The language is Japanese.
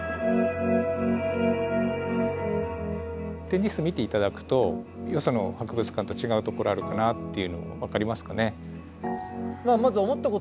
展示室見て頂くとよその博物館と違うところあるかなっていうの分かりますかね？